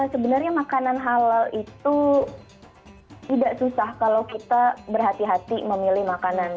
sebenarnya makanan halal itu tidak susah kalau kita berhati hati memilih makanan